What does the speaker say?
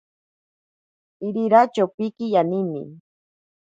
Irira chopiki yanini.